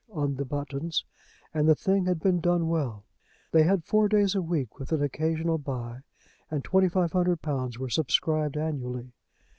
on the buttons, and the thing had been done well. They had four days a week, with an occasional bye, and £2500 were subscribed annually.